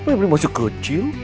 pebri masih kecil